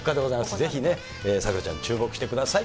ぜひ、さくらちゃん注目してください。